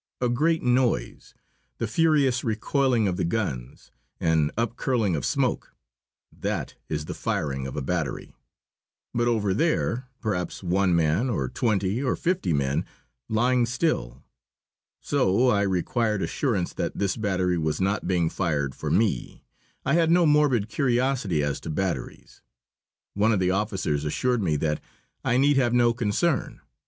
A great noise, the furious recoiling of the guns, an upcurling of smoke that is the firing of a battery. But over there, perhaps, one man, or twenty, or fifty men, lying still. So I required assurance that this battery was not being fired for me. I had no morbid curiosity as to batteries. One of the officers assured me that I need have no concern.